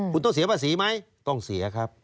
คุณต้องเสียภาษีไหมต้องเสียครับ